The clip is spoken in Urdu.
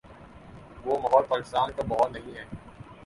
وہ ماحول پاکستان کا ماحول نہیں ہے۔